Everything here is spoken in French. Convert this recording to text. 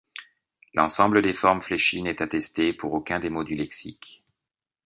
L'ensemble des formes fléchies n'est attesté pour aucun des mots du lexique.